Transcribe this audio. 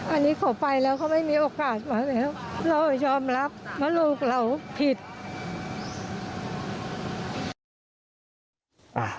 อันนี้เขาไปแล้วเขาไม่มีโอกาสมาแล้วเรายอมรับว่าลูกเราผิด